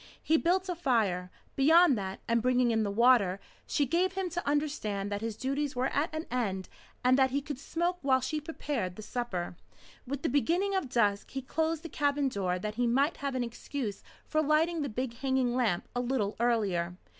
He built a fire. Beyond that, and bringing in the water, she gave him to understand that his duties were at an end, and that he could smoke while she prepared the supper. With the beginning of dusk he closed the cabin door that he might have an excuse for lighting the big hanging lamp a little earlier.